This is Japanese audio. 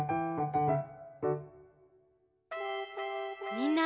みんな。